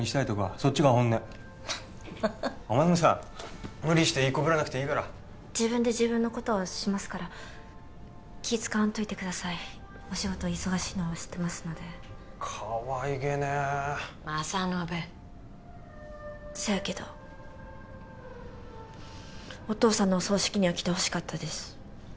そっちが本音お前もさ無理していい子ぶらなくていいから自分で自分のことはしますから気使わんといてくださいお仕事忙しいのは知ってますのでかわいげねえ政信そやけどお父さんのお葬式には来てほしかったです